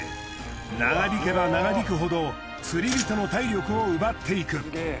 長引けば長引くほど釣り人の体力を奪っていく。